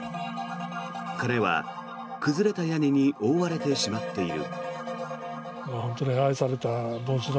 鐘は崩れた屋根に覆われてしまっている。